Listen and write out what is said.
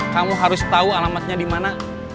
kamu harus tahu alamatnya di mana